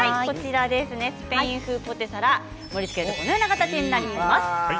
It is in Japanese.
スペイン風ポテサラ盛りつけるとこのようになります。